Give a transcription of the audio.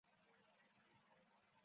腮腺炎发炎的疾病。